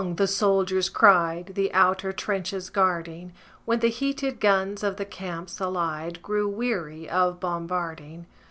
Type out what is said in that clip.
the soldiers cried, The outer trenches guarding, When the heated guns of the camps allied Grew weary of bombarding.